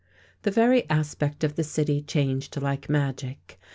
The very aspect of the city changed like magic.